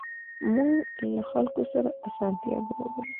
موټر له خلکو سره اسانتیا برابروي.